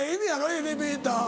エレベーター。